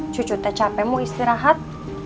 cucu tak capek mau istirahat